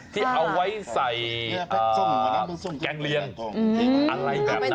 ที่เอาไว้ใส่แกงเลียงอะไรแบบนั้น